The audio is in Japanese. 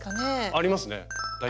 ありますね大体。